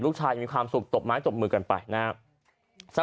มีความสุขตบไม้ตบมือกันไปนะครับ